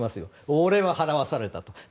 俺は払わされたと。